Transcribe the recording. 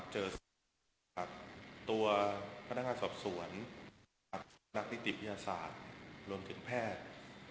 เจอกับตัวพนักงานสอบสวนนักนิติวิทยาศาสตร์รวมถึงแพทย์